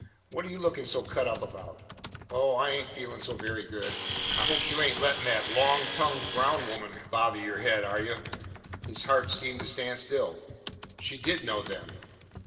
What are you looking so cut up about?" "Oh, I ain't feelin' so very good." "I hope you ain't lettin' that long tongued Brown woman bother your head, are you?" His heart seemed to stand still. She did know, then.